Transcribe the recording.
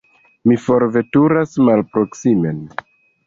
Mi forveturas malproksimen.